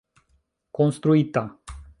konstruita